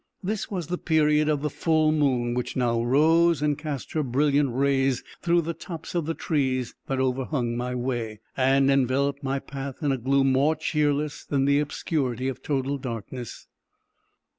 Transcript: This was the period of the full moon, which now rose and cast her brilliant rays through the tops of the trees that overhung my way, and enveloped my path in a gloom more cheerless than the obscurity of total darkness.